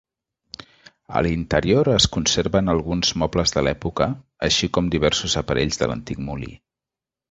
A l'interior es conserven alguns mobles de l'època, així com diversos aparells de l'antic molí.